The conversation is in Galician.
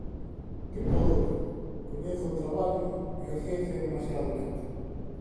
Que podo eu? Coñezo o traballo, e a ciencia é demasiado lenta.